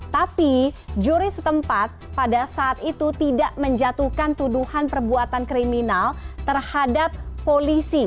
tapi juri setempat pada saat itu tidak menjatuhkan tuduhan perbuatan kriminal terhadap polisi